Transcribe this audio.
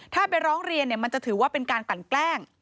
ถ้าไปร้องเรียนมันจะถือว่าเป็นการกลั่นแกล้ง